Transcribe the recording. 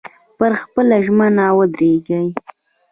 پر خپله ژمنه ودرېږئ.